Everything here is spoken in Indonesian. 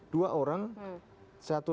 dua orang satu